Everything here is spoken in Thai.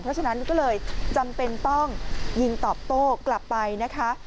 เพราะฉะนั้นก็เลยจำเป็นต้องยิงตอบโต้กลับไปนะคะ